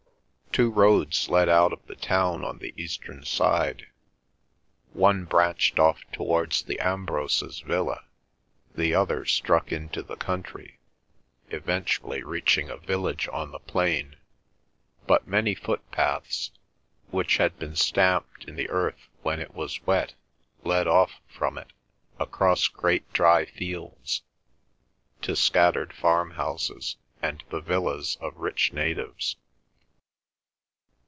Two roads led out of the town on the eastern side; one branched off towards the Ambroses' villa, the other struck into the country, eventually reaching a village on the plain, but many footpaths, which had been stamped in the earth when it was wet, led off from it, across great dry fields, to scattered farm houses, and the villas of rich natives.